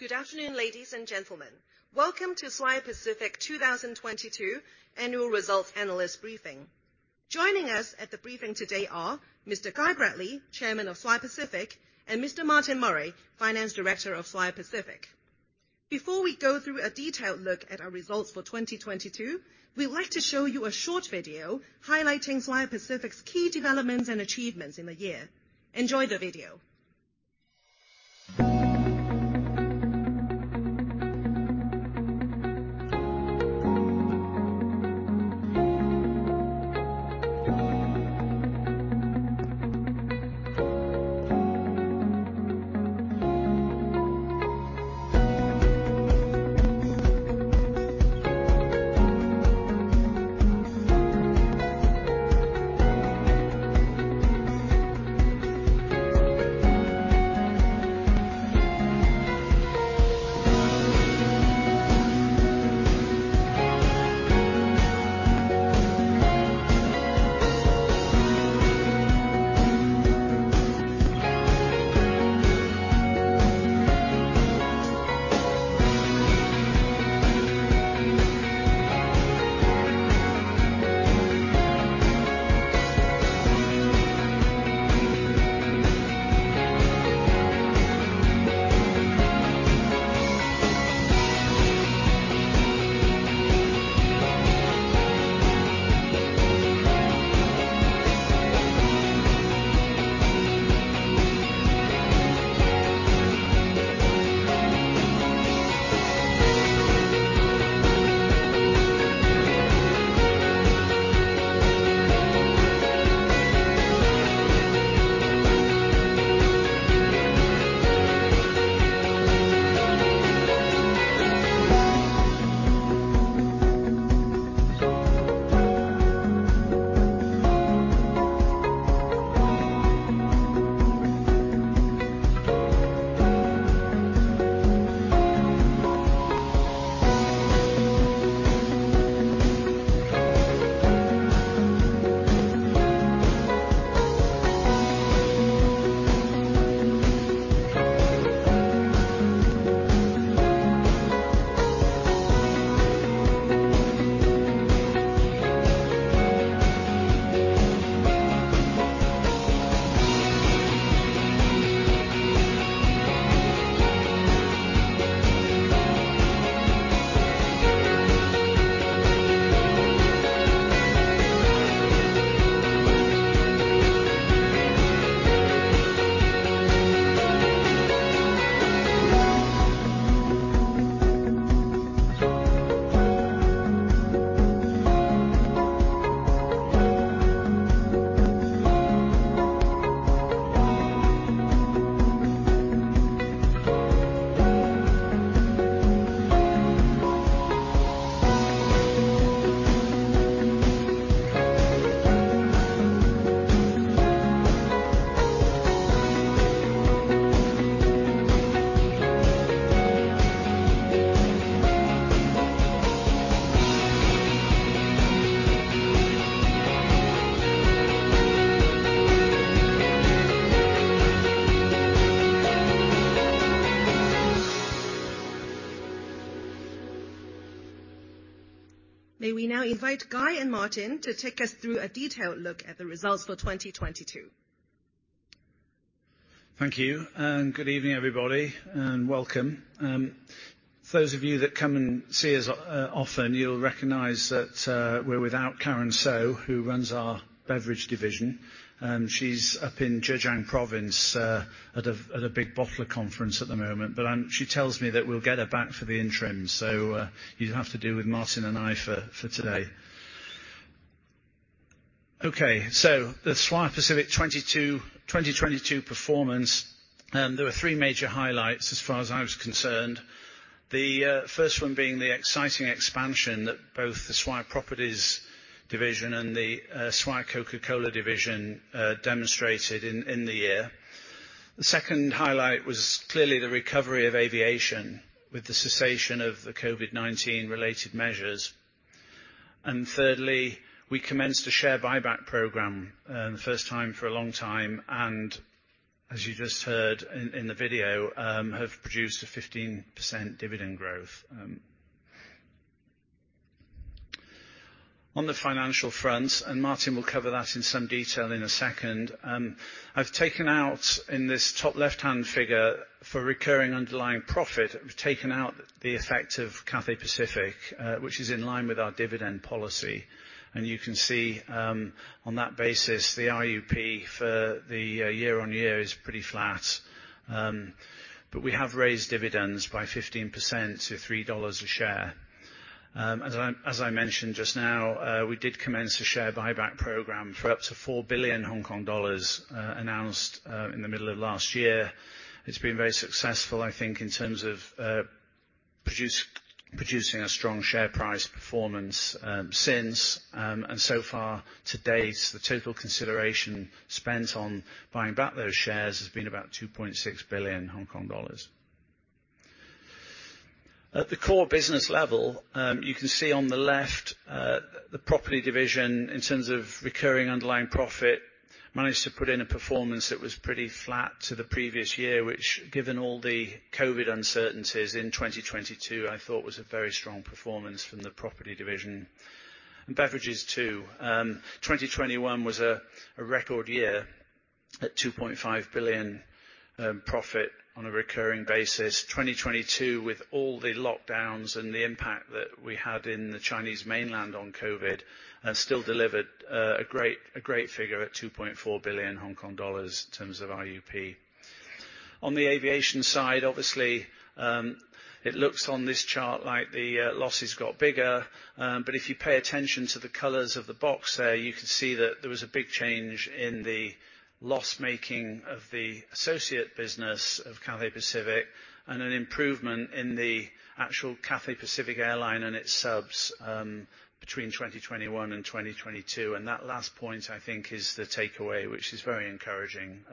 Good afternoon, ladies and gentlemen. Welcome to Swire Pacific 2022 annual results analyst briefing. Joining us at the briefing today are Mr. Guy Bradley, Chairman of Swire Pacific, and Mr. Martin Murray, Finance Director of Swire Pacific. Before we go through a detailed look at our results for 2022, we'd like to show you a short video highlighting Swire Pacific's key developments and achievements in the year. Enjoy the video. May we now invite Guy and Martin to take us through a detailed look at the results for 2022. Thank you, good evening, everybody, and welcome. For those of you that come and see us often, you'll recognize that we're without Karen So, who runs our beverage division. She's up in Zhejiang Province at a big bottler conference at the moment, she tells me that we'll get her back for the interim. You have to deal with Martin Murray and I for today. The Swire Pacific 2022 performance, there were three major highlights as far as I was concerned. The first one being the exciting expansion that both the Swire Properties division and the Swire Coca-Cola division demonstrated in the year. The second highlight was clearly the recovery of aviation with the cessation of the COVID-19 related measures. Thirdly, we commenced a share buyback program, the first time for a long time, as you just heard in the video, have produced a 15% dividend growth. On the financial front, Martin will cover that in some detail in a second, I've taken out in this top left-hand figure for recurring underlying profit. We've taken out the effect of Cathay Pacific, which is in line with our dividend policy. You can see, on that basis, the IUP for the year-over-year is pretty flat. We have raised dividends by 15% to 3 dollars a share. As I mentioned just now, we did commence a share buyback program for up to 4 billion Hong Kong dollars, announced in the middle of last year. It's been very successful, I think, in terms of producing a strong share price performance since, and so far to date, the total consideration spent on buying back those shares has been about 2.6 billion Hong Kong dollars. At the core business level, you can see on the left, the property division in terms of recurring underlying profit managed to put in a performance that was pretty flat to the previous year, which given all the COVID uncertainties in 2022, I thought was a very strong performance from the property division. Beverages too. 2021 was a record year at 2.5 billion profit on a recurring basis. 2022, with all the lockdowns and the impact that we had in the Chinese mainland on COVID, still delivered a great figure at 2.4 billion Hong Kong dollars in terms of IUP. On the aviation side, obviously, it looks on this chart like the losses got bigger. If you pay attention to the colors of the box there, you can see that there was a big change in the loss making of the associate business of Cathay Pacific, and an improvement in the actual Cathay Pacific airline and its subs, between 2021 and 2022. That last point, I think, is the takeaway, which is very encouraging.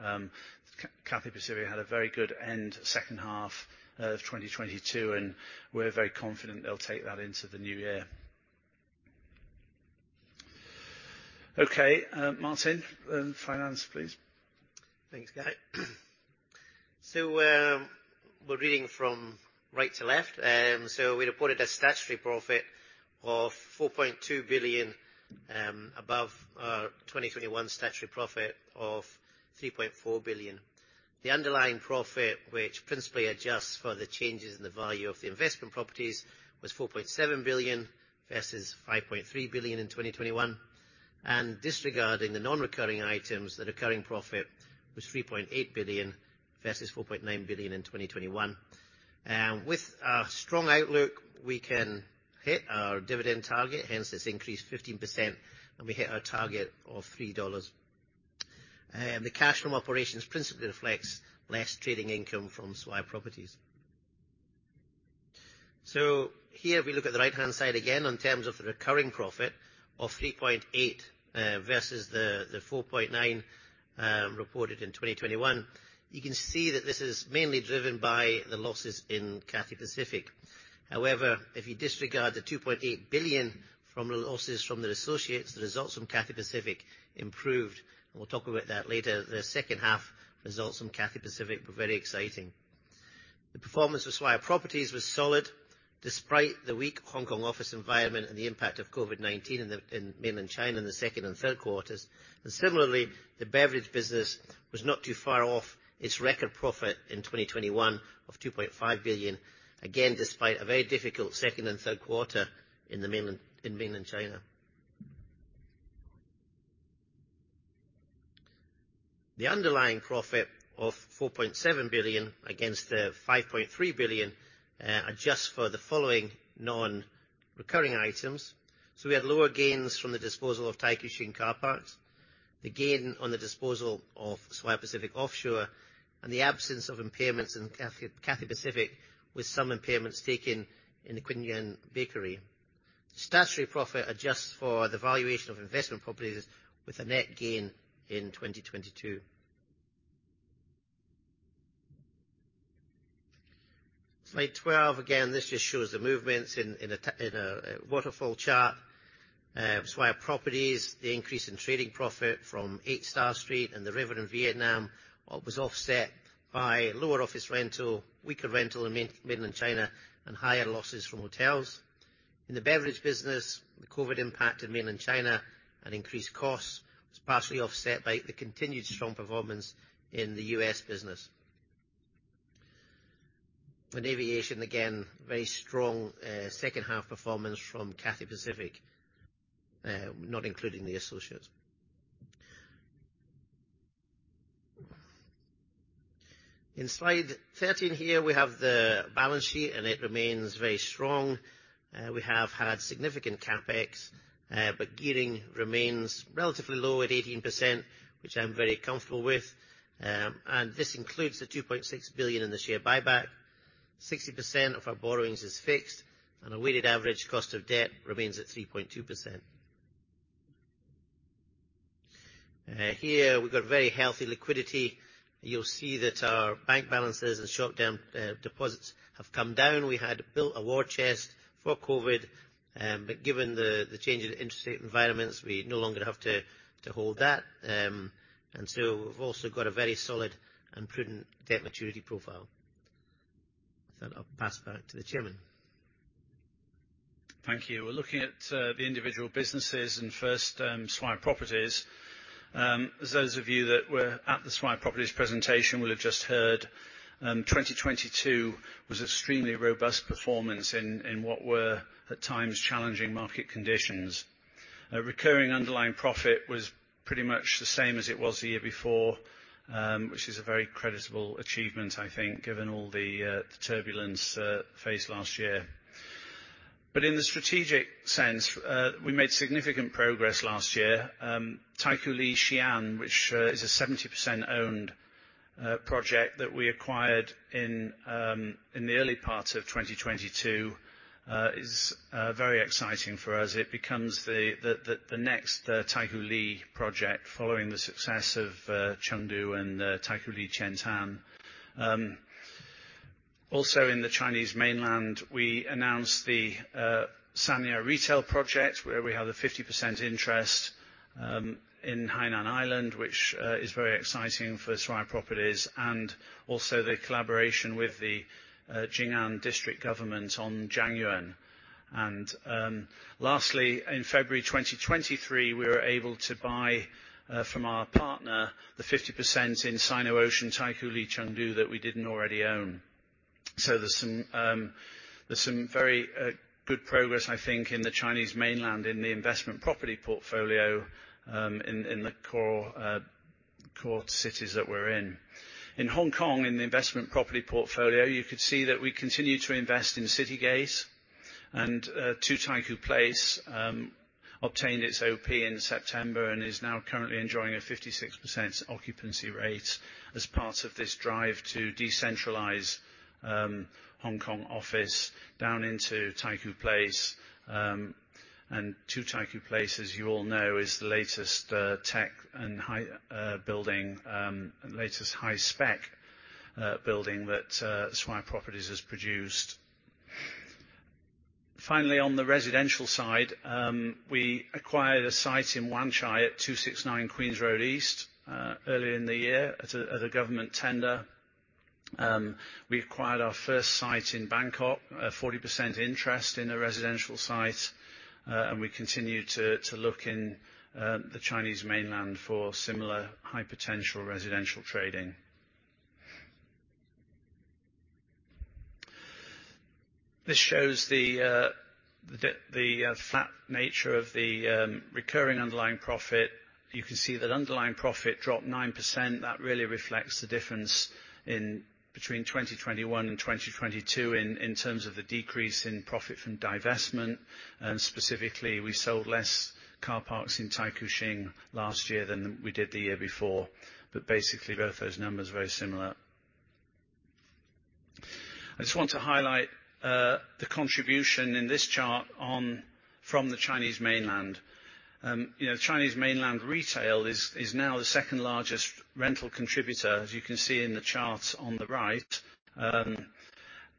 Cathay Pacific had a very good end second half of 2022, and we're very confident they'll take that into the new year. Okay. Martin, finance, please. Thanks, Guy. We're reading from right to left. We reported a statutory profit of 4.2 billion above our 2021 statutory profit of 3.4 billion. The underlying profit, which principally adjusts for the changes in the value of the investment properties, was 4.7 billion versus 5.3 billion in 2021. Disregarding the non-recurring items, the recurring profit was 3.8 billion versus 4.9 billion in 2021. With a strong outlook, we can hit our dividend target, hence it's increased 15% and we hit our target of 3 dollars. The cash from operations principally reflects less trading income from Swire Properties. Here, if we look at the right-hand side again, in terms of the recurring profit of 3.8 billion versus the 4.9 billion reported in 2021. You can see that this is mainly driven by the losses in Cathay Pacific. If you disregard the 2.8 billion from the losses from their associates, the results from Cathay Pacific improved, and we'll talk about that later. The second half results from Cathay Pacific were very exciting. The performance for Swire Properties was solid despite the weak Hong Kong office environment and the impact of COVID-19 in mainland China in the second and third quarters. Similarly, the beverage business was not too far off its record profit in 2021 of 2.5 billion. Again, despite a very difficult second and third quarter in mainland China. The underlying profit of 4.7 billion against 5.3 billion adjusts for the following non-recurring items. We had lower gains from the disposal of Taikoo Shing car parks, the gain on the disposal of Swire Pacific Offshore, and the absence of impairments in Cathay Pacific, with some impairments taken in the Qinyuan Bakery. Statutory profit adjusts for the valuation of investment properties with a net gain in 2022. Slide 12, again, this just shows the movements in a waterfall chart. Swire Properties, the increase in trading profit from EIGHT STAR STREET and The River in Vietnam was offset by lower office rental, weaker rental in mainland China, and higher losses from hotels. In the beverage business, the COVID-19 impact in mainland China and increased costs was partially offset by the continued strong performance in the U.S. business. In aviation, again, very strong second half performance from Cathay Pacific, not including the associates. In slide 13 here, we have the balance sheet, and it remains very strong. We have had significant CapEx, but gearing remains relatively low at 18%, which I'm very comfortable with. This includes the 2.6 billion in the share buyback. 60% of our borrowings is fixed, and our weighted average cost of debt remains at 3.2%. Here we've got very healthy liquidity. You'll see that our bank balances and short-term deposits have come down. We had built a war chest for COVID, but given the change in the interest rate environments, we no longer have to hold that. We've also got a very solid and prudent debt maturity profile. With that, I'll pass it back to the chairman. Thank you. We're looking at the individual businesses and first, Swire Properties. Those of you that were at the Swire Properties presentation will have just heard, 2022 was extremely robust performance in what were at times challenging market conditions. Recurring underlying profit was pretty much the same as it was the year before, which is a very creditable achievement, I think, given all the turbulence faced last year. In the strategic sense, we made significant progress last year. Taikoo Li Xi'an, which is a 70% owned project that we acquired in the early part of 2022, is very exciting for us. It becomes the next Taikoo Li project following the success of Chengdu and Taikoo Li Qiantan. Also in the Chinese mainland, we announced the Sanya retail project where we have a 50% interest in Hainan Island, which is very exciting for Swire Properties and also the collaboration with the Jing'an District government on Zhangyuan. Lastly, in February 2023, we were able to buy from our partner the 50% in Sino-Ocean Taikoo Li Chengdu that we didn't already own. There's some very good progress, I think, in the Chinese mainland in the investment property portfolio, in the core core cities that we're in. In Hong Kong, in the investment property portfolio, you could see that we continue to invest in Citygate and Two Taikoo Place obtained its OP in September and is now currently enjoying a 56% occupancy rate as part of this drive to decentralize Hong Kong office down into Taikoo Place. Two Taikoo Place, as you all know, is the latest tech and high building, latest high spec building that Swire Properties has produced. Finally, on the residential side, we acquired a site in Wanchai at 269 Queens Road East earlier in the year at a government tender. We acquired our first site in Bangkok, a 40% interest in a residential site, and we continue to look in the Chinese mainland for similar high potential residential trading. This shows the flat nature of the recurring underlying profit. You can see that underlying profit dropped 9%. That really reflects the difference in between 2021 and 2022 in terms of the decrease in profit from divestment. Specifically, we sold less car parks in Taikoo Shing last year than we did the year before. Basically, both those numbers are very similar. I just want to highlight the contribution in this chart from the Chinese mainland. You know, Chinese mainland retail is now the second largest rental contributor, as you can see in the chart on the right,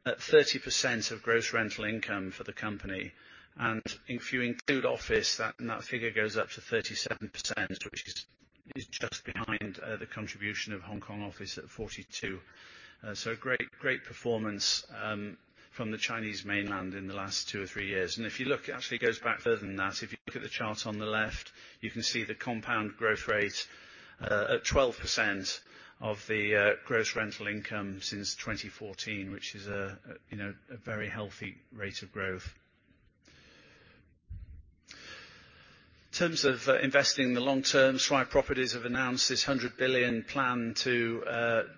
at 30% of gross rental income for the company. If you include office, that figure goes up to 37%, which is just behind the contribution of Hong Kong office at 42%. Great, great performance from the Chinese mainland in the last two or three years. If you look, it actually goes back further than that. If you look at the chart on the left, you can see the compound growth rate at 12% of the gross rental income since 2014, which is a, you know, a very healthy rate of growth. In terms of investing in the long term, Swire Properties have announced this 100 billion plan to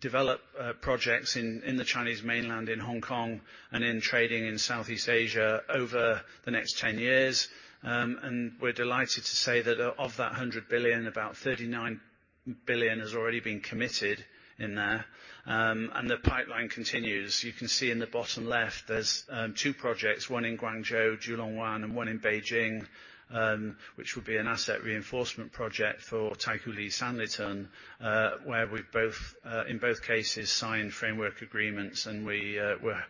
develop projects in the Chinese mainland, in Hong Kong, and in trading in Southeast Asia over the next 10 years. We're delighted to say that of that 100 billion, about 39 billion has already been committed in there. The pipeline continues. You can see in the bottom left, there's two projects, one in Guangzhou, Julong Wan, and one in Beijing, which will be an asset reinforcement project for Taikoo Li Sanlitun, where we've both in both cases signed framework agreements. We're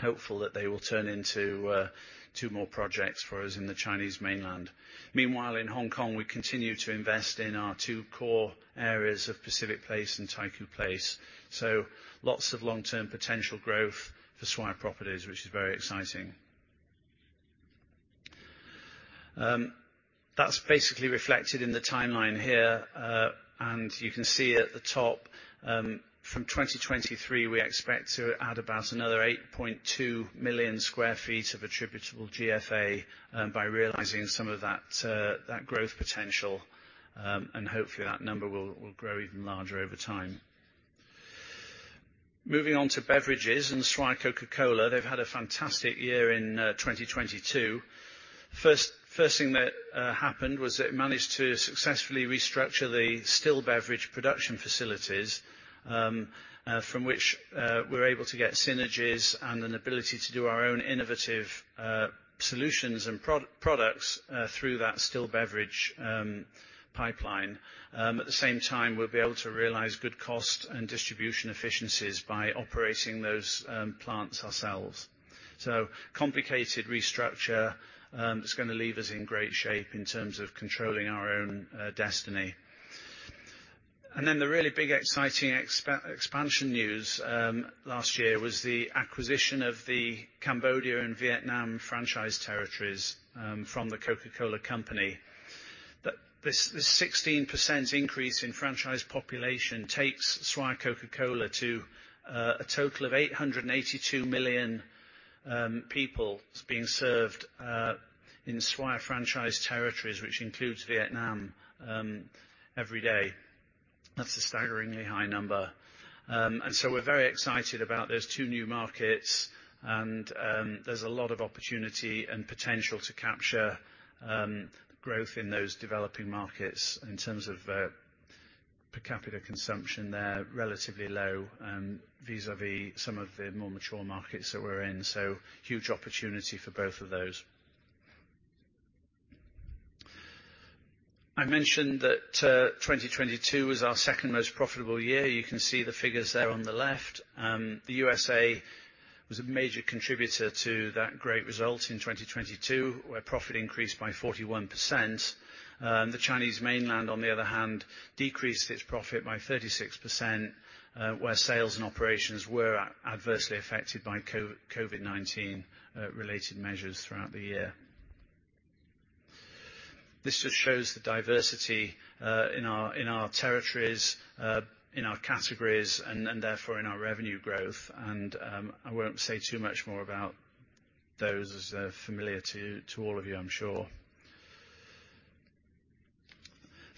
hopeful that they will turn into two more projects for us in the Chinese mainland. Meanwhile, in Hong Kong, we continue to invest in our two core areas of Pacific Place and Taikoo Place. Lots of long-term potential growth for Swire Properties, which is very exciting. That's basically reflected in the timeline here. You can see at the top, from 2023, we expect to add about another 8.2 million sq ft of attributable GFA, by realizing some of that growth potential. Hopefully, that number will grow even larger over time. Moving on to beverages and Swire Coca-Cola, they've had a fantastic year in 2022. First, thing that happened was they managed to successfully restructure the still beverage production facilities, from which we're able to get synergies and an ability to do our own innovative solutions and products through that still beverage pipeline. At the same time, we'll be able to realize good cost and distribution efficiencies by operating those plants ourselves. Complicated restructure that's gonna leave us in great shape in terms of controlling our own destiny. The really big exciting expansion news last year was the acquisition of the Cambodia and Vietnam franchise territories from The Coca-Cola Company. This 16% increase in franchise population takes Swire Coca-Cola to a total of 882 million people being served in Swire franchise territories, which includes Vietnam every day. That's a staggeringly high number. We're very excited about those two new markets and there's a lot of opportunity and potential to capture growth in those developing markets. In terms of per capita consumption, they're relatively low vis-à-vis some of the more mature markets that we're in. Huge opportunity for both of those. I mentioned that 2022 was our second most profitable year. You can see the figures there on the left. The U.S.A. was a major contributor to that great result in 2022, where profit increased by 41%. The Chinese Mainland, on the other hand, decreased its profit by 36%, where sales and operations were adversely affected by COVID-19 related measures throughout the year. This just shows the diversity in our, in our territories, in our categories and therefore in our revenue growth. I won't say too much more about those as they're familiar to all of you, I'm sure.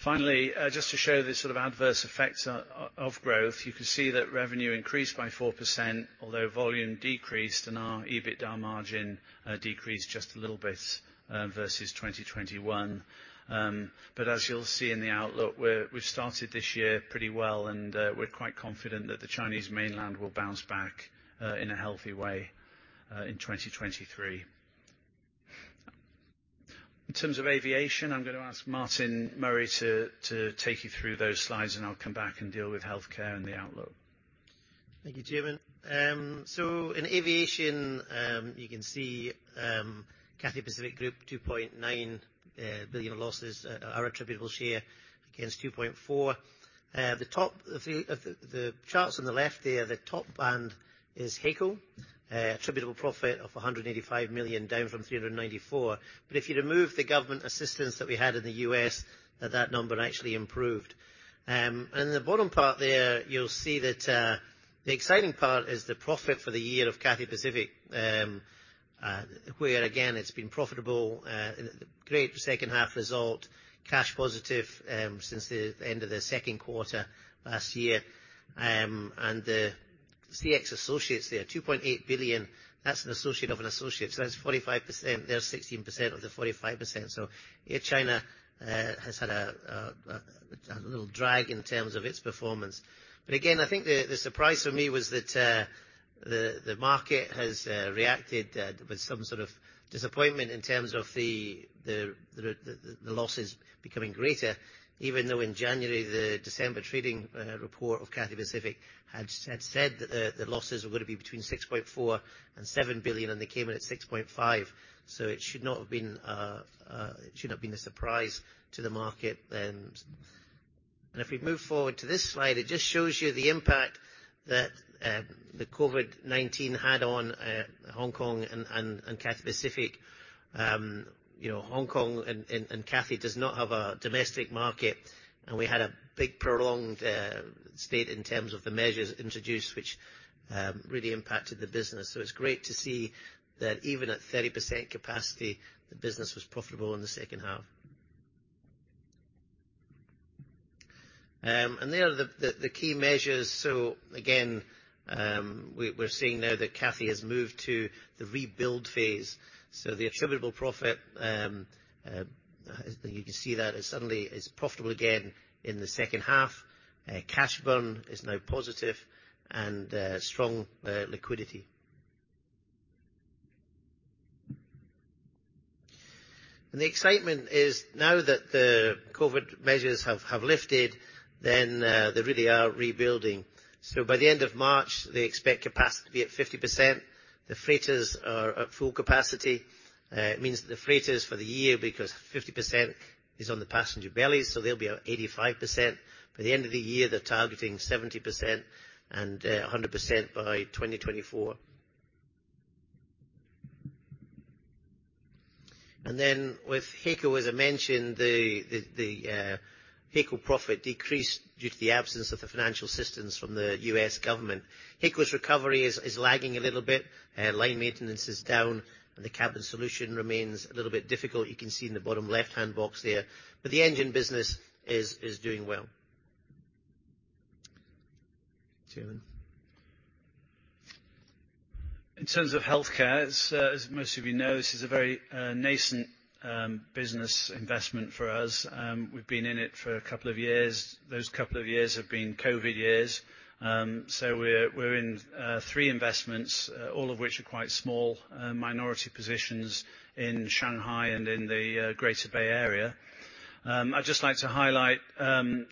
Finally, just to show the sort of adverse effects of growth, you can see that revenue increased by 4%, although volume decreased and our EBITDA margin decreased just a little bit versus 2021. As you'll see in the outlook, we've started this year pretty well, and we're quite confident that the Chinese Mainland will bounce back in a healthy way in 2023. In terms of Aviation, I'm gonna ask Martin Murray to take you through those slides, and I'll come back and deal with healthcare and the outlook. Thank you, Chairman. In Aviation, you can see Cathay Pacific Group, 2.9 billion of losses are attributable share against 2.4 billion. The top of the charts on the left there, the top band is HAECO attributable profit of 185 million, down from 394 million. If you remove the government assistance that we had in the U.S., that number actually improved. In the bottom part there, you'll see that the exciting part is the profit for the year of Cathay Pacific, where again it's been profitable. Great second half result. Cash positive since the end of the second quarter last year. The CX associates there, 2.8 billion, that's an associate of an associate. That's 45%. They have 16% of the 45%. Air China has had a little drag in terms of its performance. Again, I think the surprise for me was that the market has reacted with some sort of disappointment in terms of the losses becoming greater, even though in January, the December trading report of Cathay Pacific had said that the losses were gonna be between 6.4 billion and 7 billion, and they came in at 6.5 billion. It should not have been a surprise to the market. If we move forward to this slide, it just shows you the impact that the COVID-19 had on Hong Kong and Cathay Pacific. You know, Hong Kong and Cathay does not have a domestic market, and we had a big prolonged state in terms of the measures introduced, which really impacted the business. It's great to see that even at 30% capacity, the business was profitable in the second half. There are the key measures. Again, we're seeing now that Cathay has moved to the rebuild phase. The attributable profit, you can see that it's suddenly is profitable again in the second half. Cash burn is now positive and strong liquidity. The excitement is now that the COVID-19 measures have lifted, then they really are rebuilding. By the end of March, they expect capacity to be at 50%. The freighters are at full capacity. It means that the freighters for the year, because 50% is on the passenger bellies, so they'll be at 85%. By the end of the year, they're targeting 70% and 100% by 2024. With HAECO, as I mentioned, the HAECO profit decreased due to the absence of the financial systems from the U.S. government. HAECO's recovery is lagging a little bit. Line maintenance is down, and the Cabin Solutions remains a little bit difficult. You can see in the bottom left-hand box there. The engine business is doing well, Chairman. In terms of healthcare, as most of you know, this is a very nascent business investment for us. We've been in it for a couple of years. Those couple of years have been COVID years. We're in three investments, all of which are quite small, minority positions in Shanghai and in the Greater Bay Area. I'd just like to highlight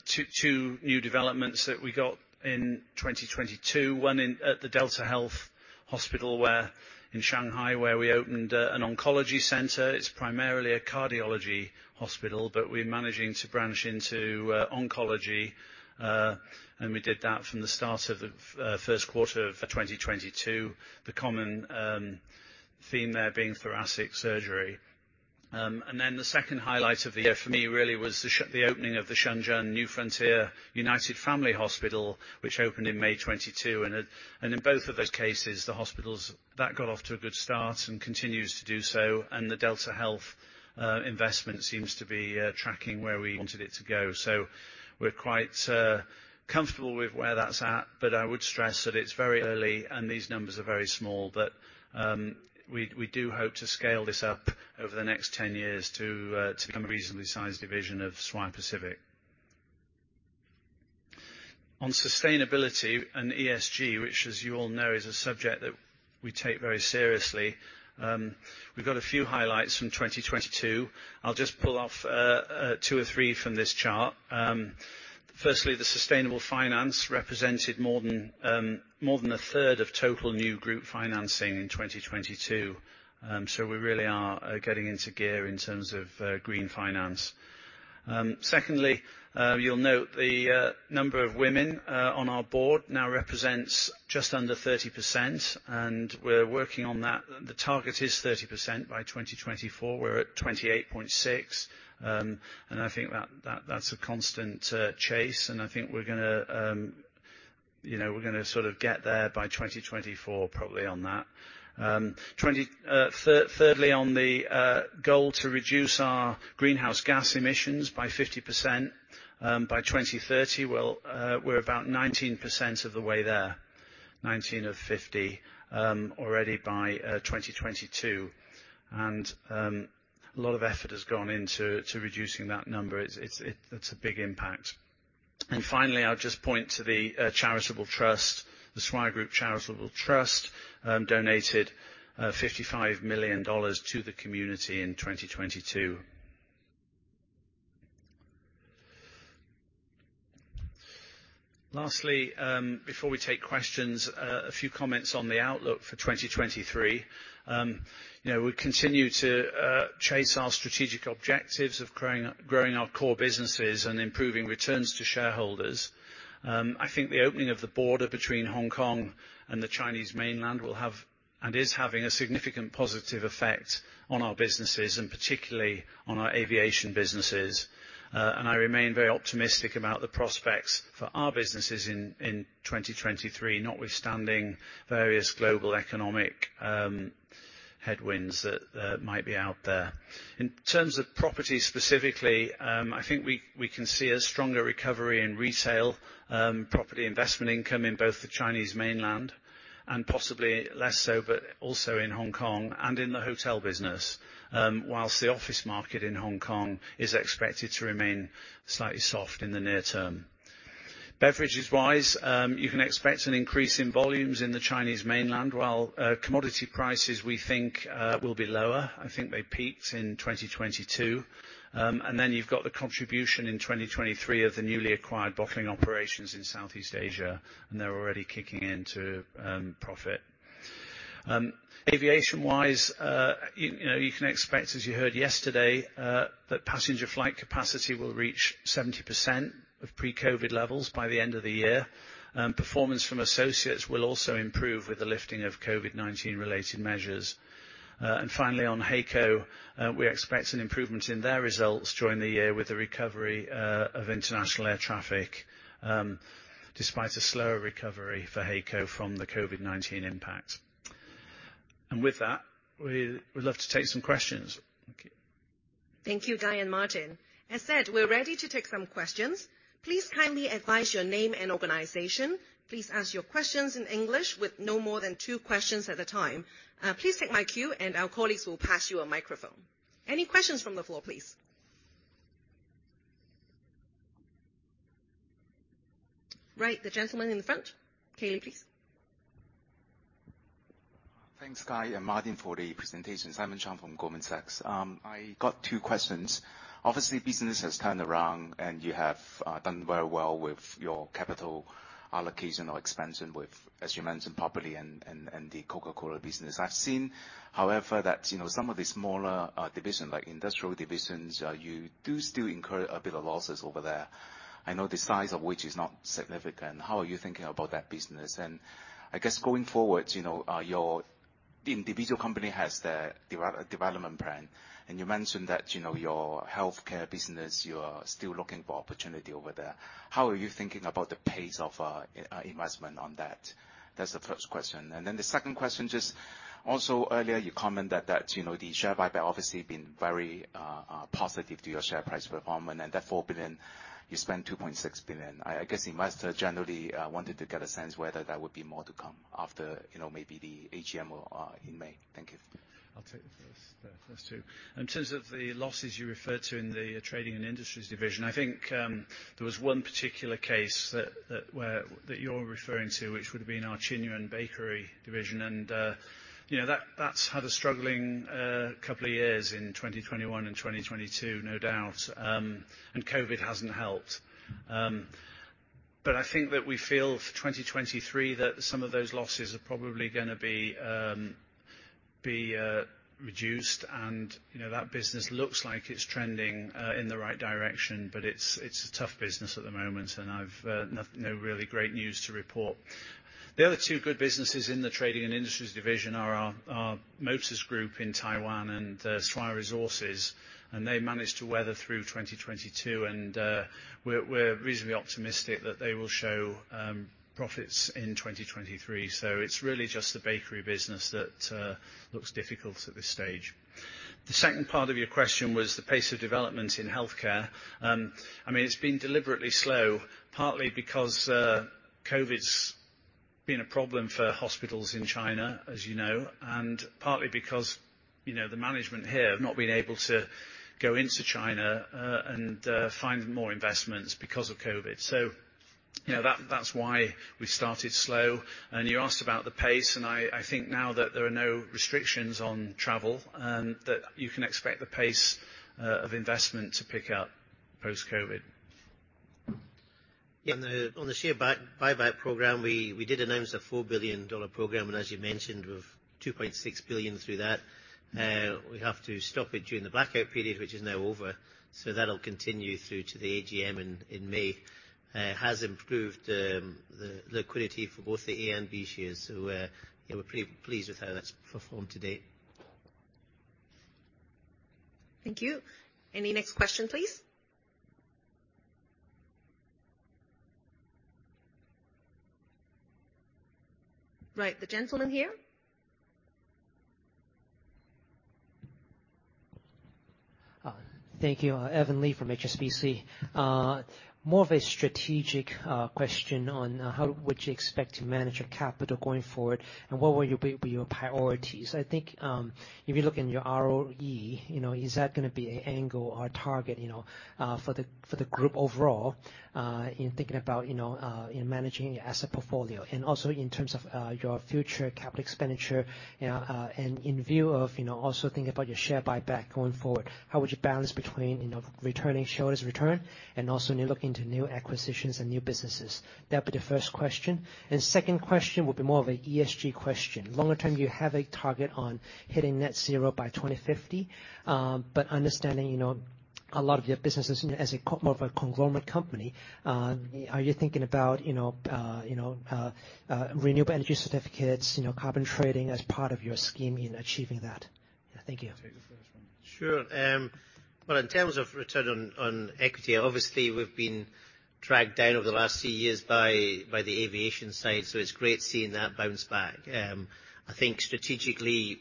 two new developments that we got in 2022. One in at the DeltaHealth Hospital, where in Shanghai, where we opened an oncology center. It's primarily a cardiology hospital, but we're managing to branch into oncology. We did that from the start of the first quarter of 2022. The common theme there being thoracic surgery. The second highlight of the year for me really was the opening of the Shenzhen New Frontier United Family Hospital, which opened in May 2022. In both of those cases, the hospitals, that got off to a good start and continues to do so. The DeltaHealth investment seems to be tracking where we wanted it to go. We're quite comfortable with where that's at. I would stress that it's very early and these numbers are very small. We do hope to scale this up over the next 10 years to become a reasonably sized division of Swire Pacific. On sustainability and ESG, which as you all know, is a subject that we take very seriously, we've got a few highlights from 2022. I'll just pull off two or three from this chart. Firstly, the sustainable finance represented more than 1/3 of total new group financing in 2022. We really are getting into gear in terms of green finance. Secondly, you'll note the number of women on our board now represents just under 30%, and we're working on that. The target is 30% by 2024. We're at 28.6%. I think that's a constant chase, and I think we're gonna, you know, we're gonna sort of get there by 2024 probably on that. Thirdly, on the goal to reduce our greenhouse gas emissions by 50% by 2030, well, we're about 19% of the way there. 19 of 50 already by 2022. A lot of effort has gone into reducing that number. It's a big impact. Finally, I'll just point to the charitable trust. The Swire Group Charitable Trust donated 55 million dollars to the community in 2022. Lastly, before we take questions, a few comments on the outlook for 2023. You know, we continue to chase our strategic objectives of growing our core businesses and improving returns to shareholders. I think the opening of the border between Hong Kong and the Chinese mainland will have, and is having, a significant positive effect on our businesses and particularly on our aviation businesses. I remain very optimistic about the prospects for our businesses in 2023, notwithstanding various global economic headwinds that might be out there. In terms of property specifically, I think we can see a stronger recovery in retail property investment income in both the Chinese mainland and possibly less so, but also in Hong Kong and in the hotel business. Whilst the office market in Hong Kong is expected to remain slightly soft in the near term. Beverages wise, you can expect an increase in volumes in the Chinese mainland, while commodity prices, we think will be lower. I think they peaked in 2022. Then you've got the contribution in 2023 of the newly acquired bottling operations in Southeast Asia, and they're already kicking into profit. Aviation wise, you know, you can expect, as you heard yesterday, that passenger flight capacity will reach 70% of pre-COVID-19 levels by the end of the year. Performance from associates will also improve with the lifting of COVID-19 related measures. Finally, on HAECO, we expect an improvement in their results during the year with the recovery of international air traffic, despite a slower recovery for HAECO from the COVID-19 impact. And with that, we would love to take some questions. Thank you. Thank you, Guy and Martin. As said, we're ready to take some questions. Please kindly advise your name and organization. Please ask your questions in English with no more than two questions at a time. please take my cue and our colleagues will pass you a microphone. Any questions from the floor, please? Right, the gentleman in the front. [Can you] please. Thanks, Guy and Martin for the presentation. Simon Cheung from Goldman Sachs. I got two questions. Obviously, business has turned around, and you have done very well with your capital allocation or expansion with, as you mentioned, property and the Coca-Cola business. I've seen, however, that, you know, some of the smaller division, like industrial divisions, you do still incur a bit of losses over there. I know the size of which is not significant. How are you thinking about that business? I guess going forward, you know, your individual company has their development plan, and you mentioned that, you know, your healthcare business, you are still looking for opportunity over there. How are you thinking about the pace of investment on that? That's the first question. The second question, just also earlier you commented that, you know, the share buyback obviously been very positive to your share price performance, and that 4 billion, you spent 2.6 billion. I guess investors generally wanted to get a sense whether there would be more to come after, you know, maybe the AGM or in May. Thank you. I'll take the first, the first two. In terms of the losses you referred to in the trading and industries division, I think there was one particular case that, where, that you're referring to, which would have been our Qinyuan Bakery division. You know, that's had a struggling couple of years in 2021 and 2022, no doubt. COVID hasn't helped. I think that we feel for 2023 that some of those losses are probably gonna be reduced and, you know, that business looks like it's trending in the right direction, but it's a tough business at the moment and I've no really great news to report. The other two good businesses in the trading and industries division are our Motors in Taiwan and Swire Resources. They managed to weather through 2022 and we're reasonably optimistic that they will show profits in 2023. It's really just the bakery business that looks difficult at this stage. The second part of your question was the pace of development in healthcare. I mean, it's been deliberately slow, partly because COVID's been a problem for hospitals in China, as you know, and partly because, you know, the management here have not been able to go into China and find more investments because of COVID. Yeah, that's why we started slow. You asked about the pace, and I think now that there are no restrictions on travel, that you can expect the pace of investment to pick up post-COVID-19. On the share buyback program, we did announce a 4 billion dollar program, as you mentioned, we're 2.6 billion through that. We have to stop it during the blackout period, which is now over, that'll continue through to the AGM in May. It has improved the liquidity for both the A and B shares, we're pretty pleased with how that's performed to date. Thank you. Any next question, please? Right, the gentleman here. Thank you. Evan Li from HSBC. More of a strategic question on how would you expect to manage your capital going forward, and what will be your priorities? I think, if you look in your ROE, you know, is that gonna be a angle or a target, you know, for the group overall, in thinking about, you know, in managing your asset portfolio. Also in terms of your future capital expenditure, you know, and in view of, you know, also thinking about your share buyback going forward, how would you balance between, you know, returning shareholders return and also you're looking to new acquisitions and new businesses? That'd be the first question. Second question would be more of a ESG question. Longer term, you have a target on hitting net zero by 2050, but understanding, you know, a lot of your businesses as a more of a conglomerate company, are you thinking about, you know, renewable energy certificates, you know, carbon trading as part of your scheme in achieving that? Thank you. Take the first one. Sure. Well, in terms of return on equity, obviously we've been dragged down over the last 2 years by the aviation side, so it's great seeing that bounce back. I think strategically,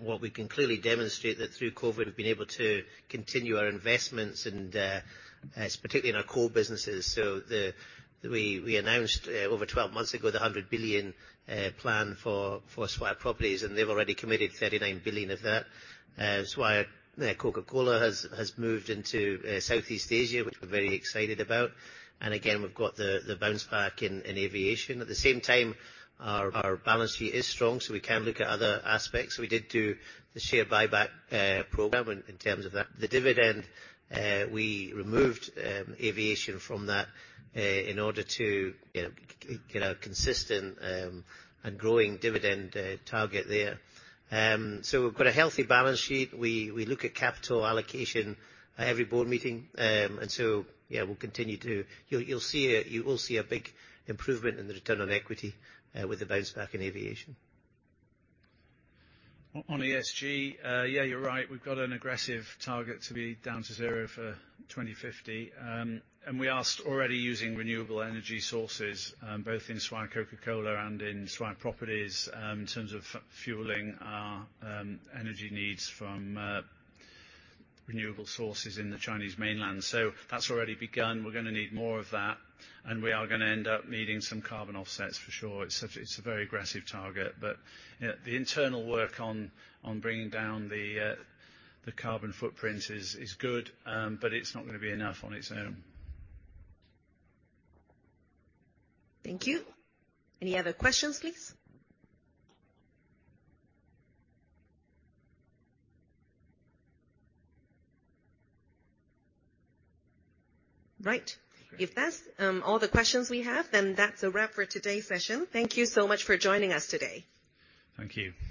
what we can clearly demonstrate that through COVID we've been able to continue our investments and particularly in our core businesses. We announced over 12 months ago the 100 billion plan for Swire Properties, and they've already committed 39 billion of that. Swire Coca-Cola has moved into Southeast Asia, which we're very excited about. Again, we've got the bounce back in aviation. At the same time, our balance sheet is strong, so we can look at other aspects. We did do the share buyback program in terms of that. The dividend, we removed aviation from that, in order to, you know, get a consistent and growing dividend target there. We've got a healthy balance sheet. We look at capital allocation at every board meeting. Yeah, we'll continue to. You will see a big improvement in the return on equity with the bounce back in aviation. On ESG, yeah, you're right. We've got an aggressive target to be down to zero for 2050. We asked already using renewable energy sources both in Swire Coca-Cola and in Swire Properties in terms of fueling our energy needs from renewable sources in the Chinese mainland. That's already begun. We're gonna need more of that, and we are gonna end up needing some carbon offsets for sure. It's a very aggressive target, yeah, the internal work on bringing down the carbon footprint is good, it's not gonna be enough on its own. Thank you. Any other questions, please? If that's all the questions we have, that's a wrap for today's session. Thank you so much for joining us today. Thank you.